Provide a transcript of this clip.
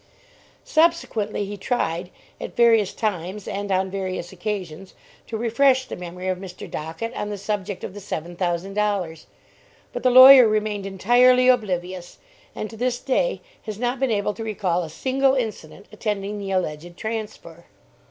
Subsequently, he tried, at various times and on various occasions, to refresh the memory of Mr. Dockett on the subject of the seven thousand dollars, but the lawyer remained entirely oblivious, and to this day has not been able to recall a single incident attending the alleged transfer.